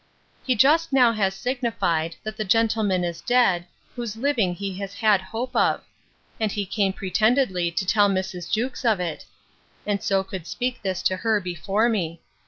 He just now has signified, that the gentleman is dead, whose living he has had hope of; and he came pretendedly to tell Mrs. Jewkes of it; and so could speak this to her before me.